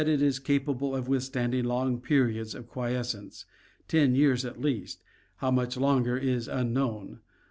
it is capable of withstanding long periods of quiescence — ten years at least, how much longer is unknown.